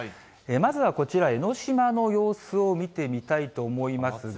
まずはこちら、江の島の様子を見てみたいと思いますが。